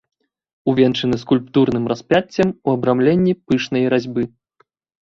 Увенчаны скульптурным распяццем у абрамленні пышнай разьбы.